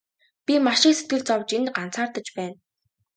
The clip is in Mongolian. Би маш их сэтгэл зовж энд ганцаардаж байна.